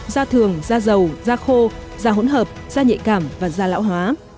da thường da dầu da khô da hỗn hợp da nhạy cảm và da lão hóa